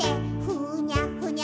「ふにゃふにゃ」